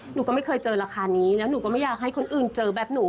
หนูก็ไม่เคยเจอราคานี้แล้วหนูก็ไม่อยากให้คนอื่นเจอแบบหนู